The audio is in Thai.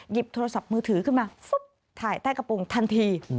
โทรศัพท์มือถือขึ้นมาถ่ายใต้กระโปรงทันที